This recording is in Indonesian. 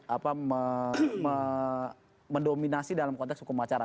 apa mendominasi dalam konteks hukum acara